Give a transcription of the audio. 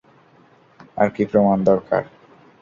আর কী প্রমাণ দরকার?